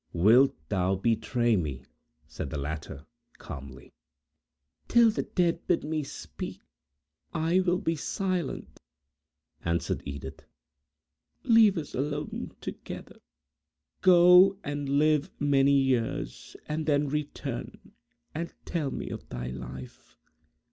"Wilt thou betray me?" said the latter, calmly. "Till the dead bid me speak, I will be silent," answered Edith. "Leave us alone together! Go, and live many years, and then return, and tell me of thy life.